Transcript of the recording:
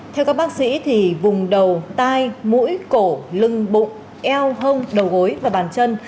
theo các bác sĩ thì vùng đầu tai mũi cổ lưng bụng eo hông đầu gối và bàn chân